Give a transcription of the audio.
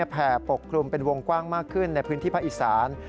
แผ่ปกคลุมเป็นวงกว้างมากขึ้นในพื้นที่ภาคอีสาน